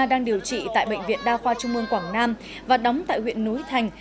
đang điều trị tại bệnh viện đa khoa trung mương quảng nam và đóng tại huyện núi thành